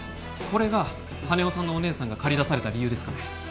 これが羽男さんのお姉さんが駆り出された理由ですかね